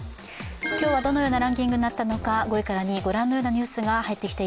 今日はどのようなランキングになったのか、５位から２位にはご覧のニュースがランクイン。